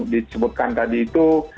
disebutkan tadi itu